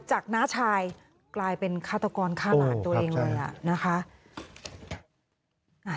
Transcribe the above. จากหน้าชายกลายเป็นฆาตกรข้ามหาดตัวเองเลยอะ